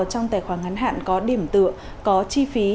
có khoảng ngắn hạn có điểm tựa có chi phí